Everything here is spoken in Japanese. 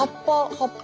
葉っぱ。